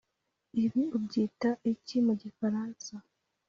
ibi ubyita iki mu gifaransa?